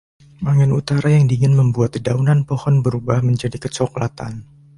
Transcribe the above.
Angin utara yang dingin membuat dedaunan pohon berubah menjadi kecoklatan.